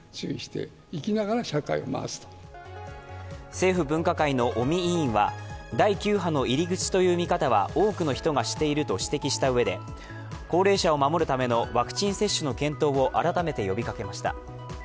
政府分科会の尾身委員は第９波の入り口という見方は多くの人がしていると指摘したうえで高齢者を守るためのワクチン接種の検討を改めて呼びかけました。